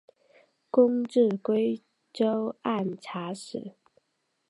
官至贵州按察使。